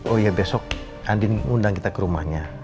oh iya besok andin undang kita ke rumahnya